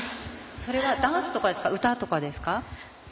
それはダンスとか歌とかですか。